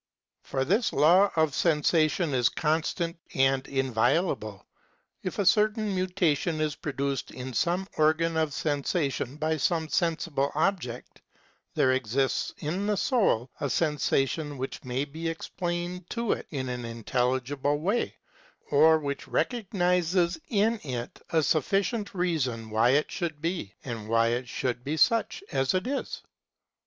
For this law of sensations is constant and inviolable: if a certain muta tion is produced in some organ of sensation by some sensible object there coexists in the soul a sensation which may be ex plained to it in an intelligible way, or which recognises in it a sufficient reason why it should be, and why it should be such as it is. (§ 85, Psychol.